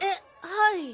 はい。